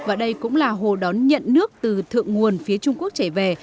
và đây cũng là hồ đón nhận nước từ thượng nguồn phía trung quốc trải về